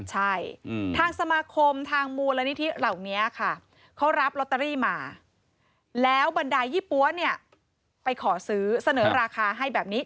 ใช่ทางสมาคมทางมูลนิธิเหล่านี้ค่ะเขารับลอตเตอรี่มาแล้วบรรดายยี่ปั๊วเนี่ยไปขอซื้อเสนอราคาให้แบบนี้